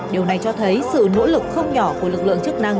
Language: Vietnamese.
điều này cho thấy sự nỗ lực không nhỏ của lực lượng chức năng